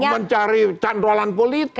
mencari canderolan politik